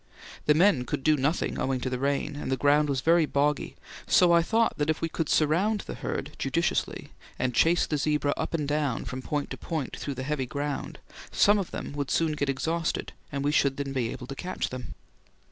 The men could do nothing owing to the rain, and the ground was very boggy, so I thought that if we could surround the herd judiciously and chase the zebra up and down from point to point through the heavy ground, some of them would soon get exhausted and we should then be able to catch them.